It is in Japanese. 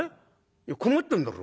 「いや困ってんだろ？